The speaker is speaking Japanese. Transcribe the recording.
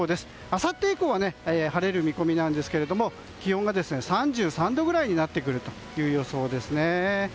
あさって以降は晴れる見込みなんですが気温が３３度ぐらいになってくる予想です。